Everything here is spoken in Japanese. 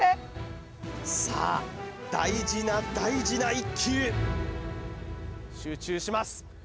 さあ大事な大事な１球集中します